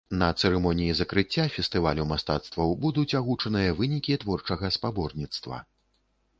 На цырымоніі закрыцця фестывалю мастацтваў будуць агучаныя вынікі творчага спаборніцтва.